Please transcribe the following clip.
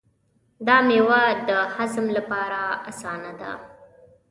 دا مېوه د هضم لپاره اسانه ده.